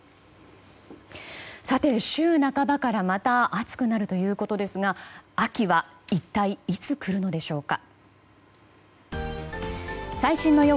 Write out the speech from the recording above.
さて、週半ばからまた暑くなるということですが秋は一体いつ来るのでしょうか。